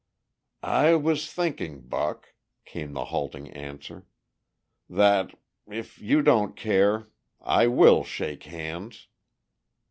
"I was thinking, Buck," came the halting answer, "that ... if you don't care ... I will shake hands."